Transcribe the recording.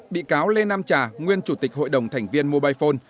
bị cáo lê nam trà nguyên chủ tịch hội đồng thành viên mobile phone